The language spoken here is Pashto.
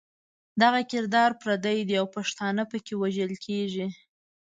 دغه کردار پردی دی او پښتانه پکې وژل کېږي.